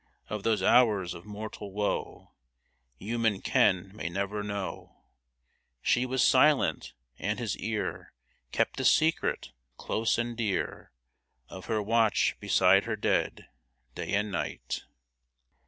Of those hours of mortal woe Human ken may never know ; She was silent, and his ear Kept the secret, close and dear, Of her watch beside her dead, Day and night